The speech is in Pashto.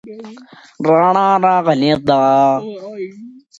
رڼا راغلې ده.